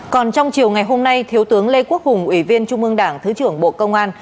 còn trong chiều ngày hôm nay thiếu tướng lê quốc hùng ủy viên trung ương đảng thứ trưởng bộ công an